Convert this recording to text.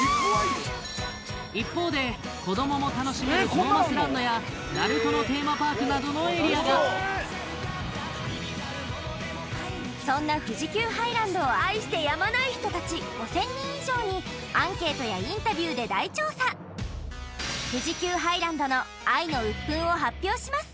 一方で子どもも楽しめる「ＮＡＲＵＴＯ」のテーマパークなどのエリアがそんな富士急ハイランドを愛してやまない人たち５０００人以上にアンケートやインタビューで大調査富士急ハイランドの愛のウップンを発表します